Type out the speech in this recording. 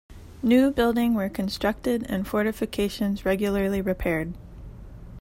New building were constructed and fortifications regularly repaired.